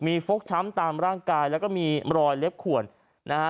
มีฟกช้ำตามร่างกายแล้วก็มีรอยเล็บขวนนะฮะ